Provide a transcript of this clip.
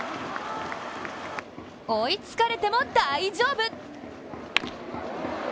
追いつかれても大丈夫！